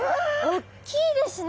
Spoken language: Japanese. おっきいですね